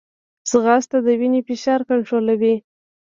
ځغاسته د وینې فشار کنټرولوي